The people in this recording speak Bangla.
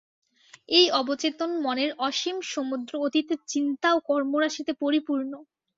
এই অবচেতন মনের অসীম সমুদ্র অতীতের চিন্তা ও কর্মরাশিতে পরিপূর্ণ।